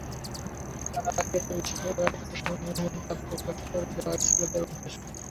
কারা আখিরাতে বিশ্বাসী এবং কারা তাতে সন্দিহান তা প্রকাশ করে দেয়াই ছিল তার উদ্দেশ্য।